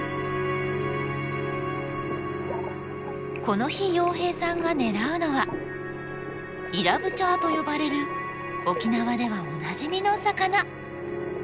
この日洋平さんが狙うのはイラブチャーと呼ばれる沖縄ではおなじみの魚。